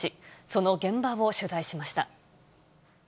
その現場を取材しました。